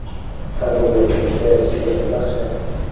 هغه وویل چې زه څومره بدبخته یم.